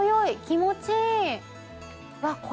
気持ちいい！